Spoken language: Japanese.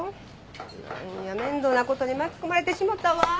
なんや面倒な事に巻き込まれてしもたわ。